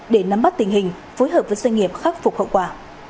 để nắm bắt tình hình phối hợp với doanh nghiệp khắc phục hậu quả